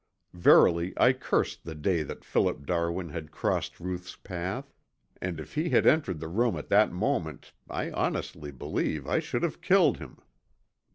Verily I cursed the day that Philip Darwin had crossed Ruth's path, and if he had entered the room at that moment I honestly believe I should have killed him.